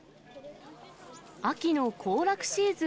秋の行楽シーズン